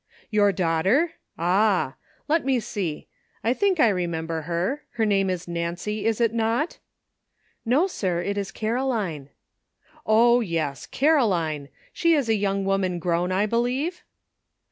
Your daughter? Ah! let me see. I think I remember her ; her name is Nancy, is it not?" *'No, sir; it is Caroline." " O, yes, Caroline ! she is a young woman grown, 1 believe